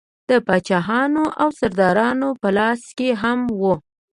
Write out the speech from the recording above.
د پاچاهانو او سردارانو په لاس کې هم وه.